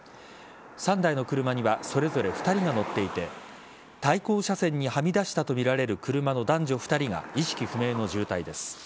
３台の車にはそれぞれ２人が乗っていて対向車線にはみ出したとみられる車の男女２人が意識不明の重体です。